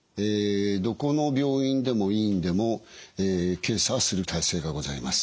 どこの病院でも医院でも検査をする体制がございます。